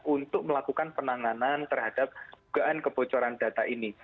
untuk melakukan penanganan terhadap dugaan kebocoran data ini